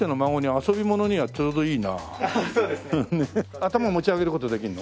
頭持ち上げる事できるの？